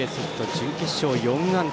準決勝４安打。